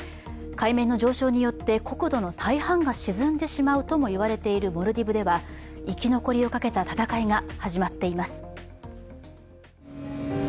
海面の上昇によって国土の大半が沈んでしまうとも言われているモルディブでは生き残りをかけた戦いが始まっています。